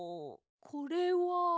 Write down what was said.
これは。